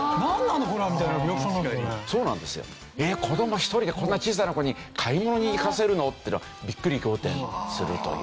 一人でこんな小さな子に買い物に行かせるの？っていうのはビックリ仰天するという。